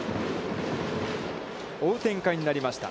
追う展開になりました。